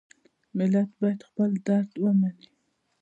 ملت باید خپل درد ومني.